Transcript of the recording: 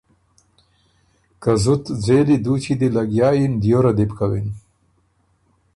که زُت ځېلی دُوچی دی لګیا یِن دیوره دی بو کوِن